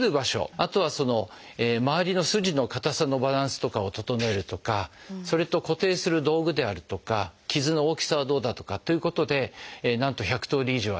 あとはまわりの筋の硬さのバランスとかを整えるとかそれと固定する道具であるとか傷の大きさはどうだとかっていうことでなんと１００通り以上あります。